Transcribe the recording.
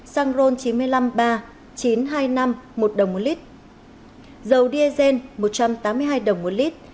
xăng ron chín mươi năm iii chín trăm hai mươi năm một đồng một lít dầu diesel một trăm tám mươi hai đồng một lít